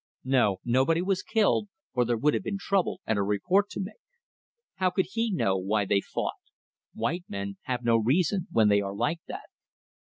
No! nobody was killed, or there would have been trouble and a report to make. How could he know why they fought? White men have no reason when they are like that.